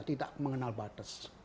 tidak mengenal batas